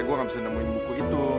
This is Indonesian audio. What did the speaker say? gue gak bisa nemuin buku itu